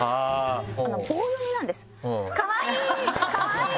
棒読みなんですよ！